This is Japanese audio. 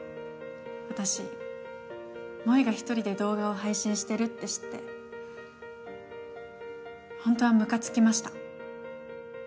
私萌が１人で動画を配信してるって知ってホントはムカつきました。